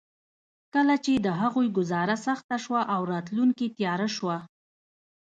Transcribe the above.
کله چې د هغوی ګوزاره سخته شوه او راتلونکې تياره شوه.